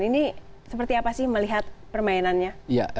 ini seperti apa sih melihat permainannya